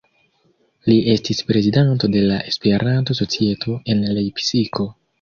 Li estis prezidanto de la Esperanto-Societo en Lepsiko.